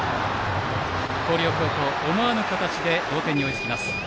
広陵高校、思わぬ形で同点に追いつきます。